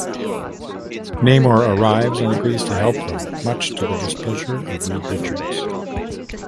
Namor arrives and agrees to help them much to the displeasure of Reed Richards.